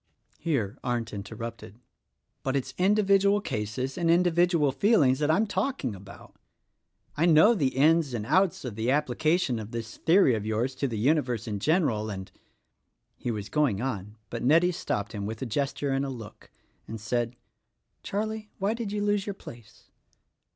Here Arndt interrupted: "But it's individual cases and individual feelings that I am talking about. I know the ins and outs of the application of this theory of yours to the universe in general, and —" He was going on, but Nettie stopped him with a ges ture and a look, and said, "Charlie, why did you lose your place?"